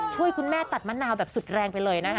ช่วยคุณแม่ตัดมะนาวแบบสุดแรงไปเลยนะคะ